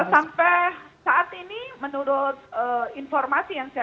sampai saat ini menurut informasi yang saya